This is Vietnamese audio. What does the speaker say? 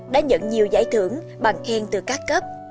đã nhận nhiều giải thưởng bằng khen từ các cấp